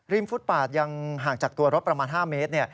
ฟุตปาดยังห่างจากตัวรถประมาณ๕เมตร